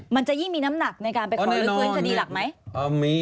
มันจะยิ่งมีน้ำหนักในการไปขอลื้อฟื้นคดีหลักไหม